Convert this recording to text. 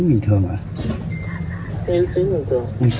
cũng không có